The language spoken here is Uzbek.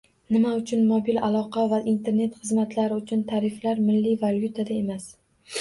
Nima uchun mobil aloqa va Internet xizmatlari uchun tariflar milliy valyutada emas